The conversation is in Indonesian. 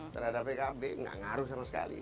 terhadap pkb nggak ngaruh sama sekali